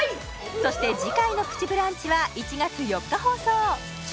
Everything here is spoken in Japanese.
そして次回の「プチブランチ」は１月４日放送超